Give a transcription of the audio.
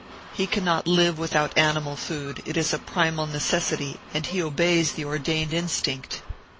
He cannot live without animal food: it is a primal necessity, and he obeys the ordained instinct.